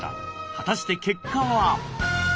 果たして結果は？